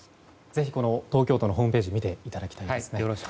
ぜひ東京都のホームページ見ていただきたいですね。